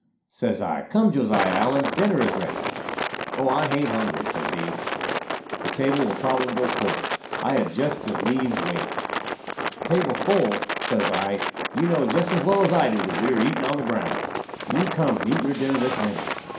Says I, "Come, Josiah Allen; dinner is ready." "Oh, I hain't hungry," says he. "The table will probable be full. I had jest as lieves wait." "Table full!" says I. "You know jest as well as I do that we are eatin' on the ground. Do you come and eat your dinner this minute."